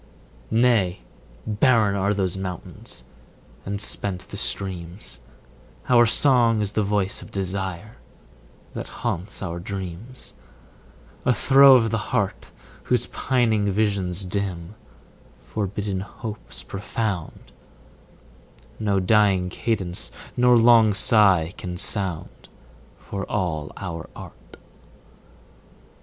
Nay, barren are those mountains and spent the streams: Our song is the voice of desire, that haunts our dreams, A throe of the heart, Whose pining visions dim, forbidden hopes profound, 10 No dying cadence nor long sigh can sound, For all our art.